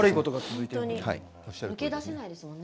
抜け出せないですもんね。